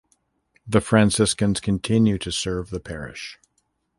The Franciscans continue to serve the parish.